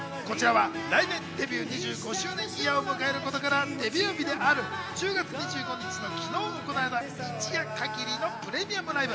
来年デビュー２５周年イヤーを迎えることからデビュー日である１０月２５日の昨日行われた一夜限りのプレミアムライブ。